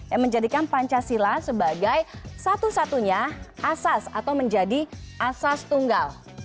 yang menjadikan pancasila sebagai satu satunya asas atau menjadi asas tunggal